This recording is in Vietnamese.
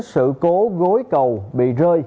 sự cố gối cầu bị rơi